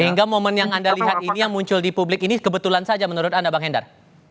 sehingga momen yang anda lihat ini yang muncul di publik ini kebetulan saja menurut anda bang hendar